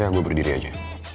iya gue berdiri aja